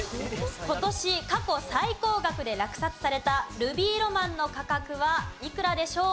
今年過去最高額で落札されたルビーロマンの価格はいくらでしょう？